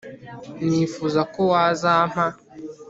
nifuzaga ko wazampa